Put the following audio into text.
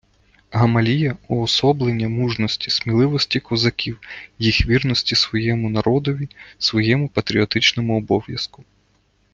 Гамалія — уособлення мужності, сміливості козаків, їх вірності своєму народові, своєму патріотичному обов'язку